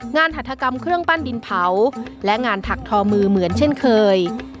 หัฐกรรมเครื่องปั้นดินเผาและงานถักทอมือเหมือนเช่นเคย